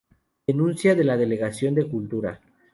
Denuncia de la Delegación de Cultura.